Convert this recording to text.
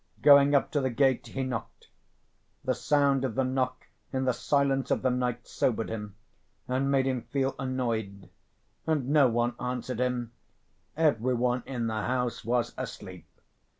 Going up to the gate he knocked. The sound of the knock in the silence of the night sobered him and made him feel annoyed. And no one answered him; every one in the house was asleep.